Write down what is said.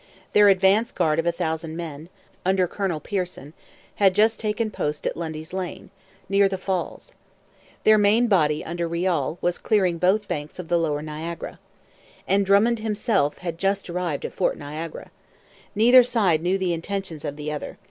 Their advanced guard of a thousand men, under Colonel Pearson, had just taken post at Lundy's Lane, near the Falls. Their main body, under Riall, was clearing both banks of the lower Niagara. And Drummond himself had just arrived at Fort Niagara. Neither side knew the intentions of the other.